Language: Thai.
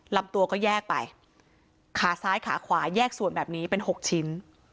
ลำตัวก็แยกไปขาซ้ายขาขวาแยกส่วนแบบนี้เป็น๖ชิ้น